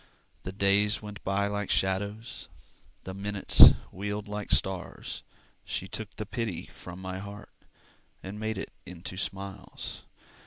The days went by like shadows, The minutes wheeled like stars. She took the pity from my heart, And made it into smiles.